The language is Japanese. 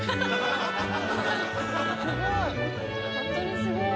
すごーい！